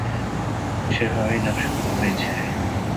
সেভাবেই নকশা করা হয়েছে।